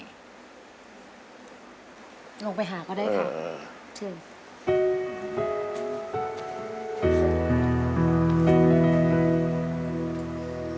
ลงไปหาก็ได้ค่ะ